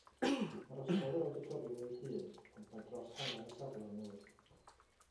Arhosodd yr awditoriwm ei hun, ond mae dros hanner y safle yn newydd.